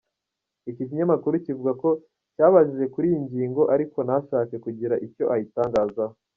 Iki kinyamakuru kivuga ko cyabajije kuri iyi ngingo ariko ntashake kugira icyo ayitangazaho.